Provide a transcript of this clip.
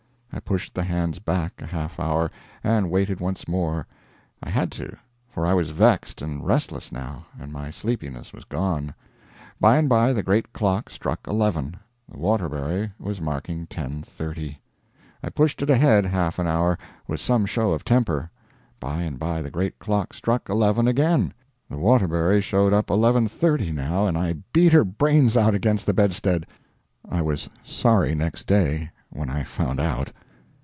I pushed the hands back a half hour, and waited once more; I had to, for I was vexed and restless now, and my sleepiness was gone. By and by the great clock struck 11. The Waterbury was marking 10.30. I pushed it ahead half an hour, with some show of temper. By and by the great clock struck 11 again. The Waterbury showed up 11.30, now, and I beat her brains out against the bedstead. I was sorry next day, when I found out.